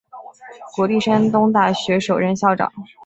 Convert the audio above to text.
国立山东大学首任校长。